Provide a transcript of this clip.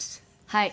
はい。